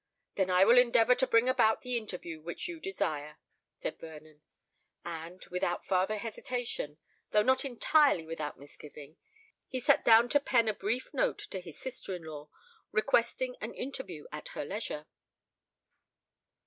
"Then I will endeavour to bring about the interview which you desire," said Vernon. And, without farther hesitation—though not entirely without misgiving—he sate down to pen a brief note to his sister in law, requesting an interview at her leisure.